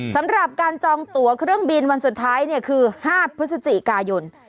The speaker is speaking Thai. สำหรับการจองตัวเครื่องบินวันสุดท้ายคือ๕พฤศจิกายน